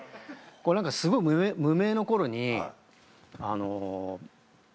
何かすごい無名の頃にあの。